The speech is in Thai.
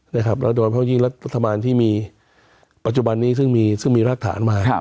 แล้วโดยเพราะยิ่งรัฐบาลที่มีปัจจุบันนี้ซึ่งมีรากฐานมา